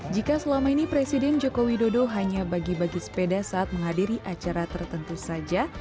jika selama ini presiden joko widodo hanya bagi bagi sepeda saat menghadiri acara tertentu saja